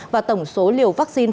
và tổng số liều vaccine